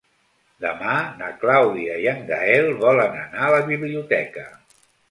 Demà na Clàudia i en Gaël volen anar a la biblioteca.